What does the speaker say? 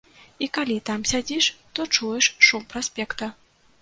І калі там сядзіш, то чуеш шум праспекта.